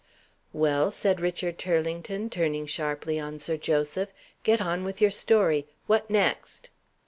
"Well?" said Richard Turlington, turning sharply on Sir Joseph. "Get on with your story. What next?"